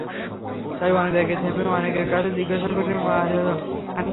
তাই অনেক জায়গায় থেমে, অনেকের কাছে জিজ্ঞাসা করে হাজির হলাম সেই মসজিদে।